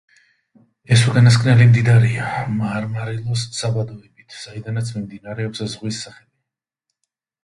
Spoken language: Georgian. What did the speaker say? ეს უკანასკნელი მდიდარია მარმარილოს საბადოებით, საიდანაც მომდინარეობს ზღვის სახელი.